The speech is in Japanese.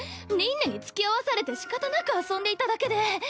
凛音につきあわされてしかたなく遊んでいただけで。